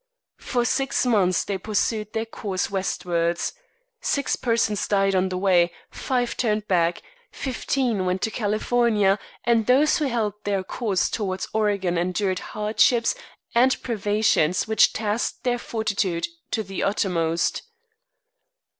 For six months they pursued their course westward. Six persons died on the way, five turned back, fifteen went to California, and those who held their course towards Oregon endured hardships and privations which tasked their fortitude to the uttermost.